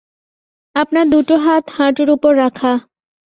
আপনার দুটো হাত হাঁটুর ওপর রাখা।